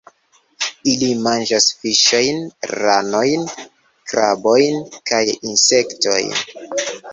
Ili manĝas fiŝojn, ranojn, krabojn kaj insektojn.